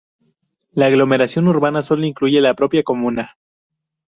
La aglomeración urbana sólo incluye la propia comuna.